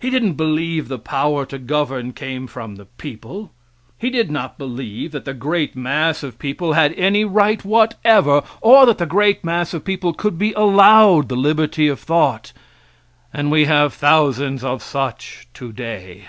He didn't believe the power to govern came from the people; he did not believe that the great mass of people had any right whatever, or that the great mass of people could be allowed the liberty of thought and we have thousands of such today.